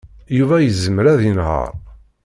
Yuba yezmer ad yenheṛ.